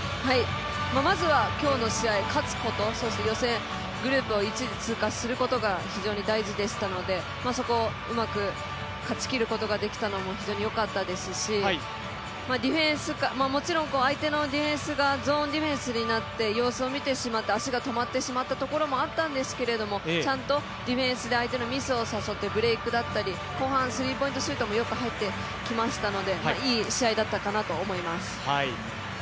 まずは今日の試合、勝つこと予選グループを１位で通過することが非常に大事でしたので、そこをうまく勝ちきることができたのも非常によかったですし、もちろん相手のディフェンスがゾーンディフェンスになって様子を見てしまって足が止まったところもあったんですけれども、ちゃんとディフェンスで相手のミスを誘って、ブレークだったり、後半、スリーポイントシュートもよく入ってきましたのでいい試合だったかなと思います。